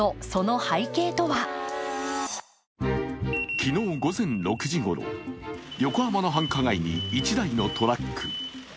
昨日午前６時ごろ、横浜の繁華街に１台のトラック。